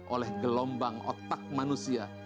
oleh gelombang otak manusia